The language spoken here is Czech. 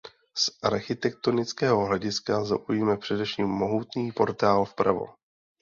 Z architektonického hlediska zaujme především mohutný portál vpravo.